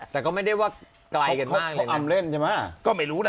แต่ก็ไม่ได้ว่าตายกันมาก